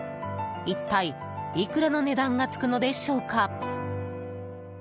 一体いくらの値段がつくのでしょうか。